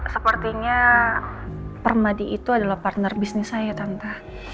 sepertinya permadi itu adalah partner bisnis saya tanta